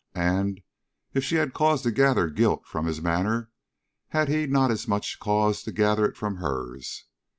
And, if she had cause to gather guilt from his manner, had he not as much cause to gather it from hers?